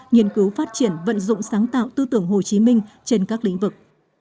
nghiên cứu phát triển vận dụng sáng tạo tư tưởng hồ chí minh trên các lĩnh vực